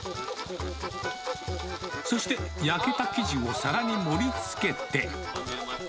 そして、焼けた生地をさらに盛りつけて。